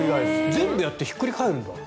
全部やってひっくり返すんですよ。